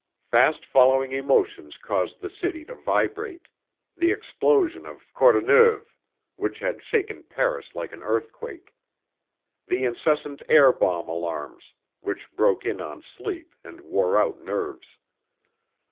Fast following emotions caused the City to vibrate: the explosion of Courneuve, which had shaken Paris like an earthquake; the incessant air bomb alarms which broke in on sleep and wore out nerves.